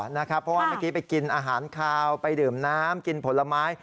เพราะว่าเมื่อกี้ไปกินอาหารคาวไปดื่มน้ำกินผลไม้